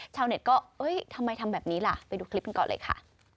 ชาวเน็ตก็เอ้ยทำไมทำแบบนี้ล่ะไปดูคลิปกันก่อนเลยค่ะ